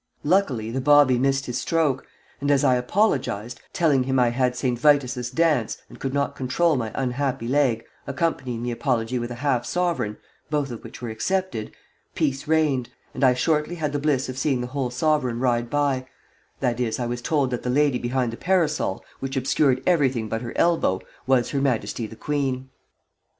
Luckily the bobbie missed his stroke, and as I apologized, telling him I had St. Vitus's dance and could not control my unhappy leg, accompanying the apology with a half sovereign both of which were accepted peace reigned, and I shortly had the bliss of seeing the whole sovereign ride by that is, I was told that the lady behind the parasol, which obscured everything but her elbow, was her Majesty the Queen.